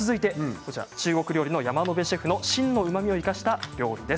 続いて中国料理の山野辺シェフの芯のうまみを生かした料理です。